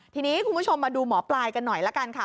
ทีนี้คุณผู้ชมมาดูหมอปลายกันหน่อยละกันค่ะ